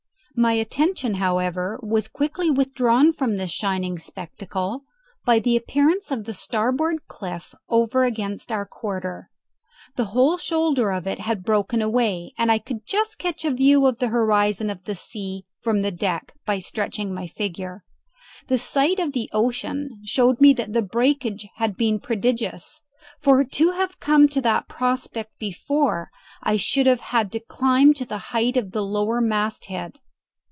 My attention, however, was quickly withdrawn from this shining spectacle by the appearance of the starboard cliff over against our quarter. The whole shoulder of it had broken away and I could just catch a view of the horizon of the sea from the deck by stretching my figure. The sight of the ocean showed me that the breakage had been prodigious, for to have come to that prospect before, I should have had to climb to the height of the main lower masthead.